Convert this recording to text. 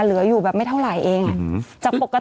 ศูนย์อุตุนิยมวิทยาภาคใต้ฝั่งตะวันอ่อค่ะ